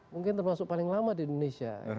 mungkin termasuk paling lama di indonesia